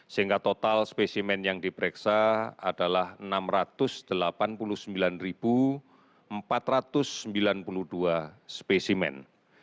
sehingga total spesimen yang diperiksa adalah enam ratus delapan puluh sembilan empat ratus sembilan puluh dua spesimen